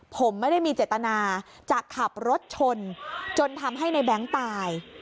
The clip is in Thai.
ผมไม่ได้มีเจตนาจะขับรถชนจนทำให้ในแบงค์ตาย